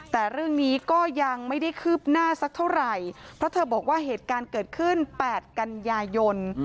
แต่เรื่องนี้ก็ยังไม่ได้คืบหน้าสักเท่าไหร่เพราะเธอบอกว่าเหตุการณ์เกิดขึ้น๘กันยายน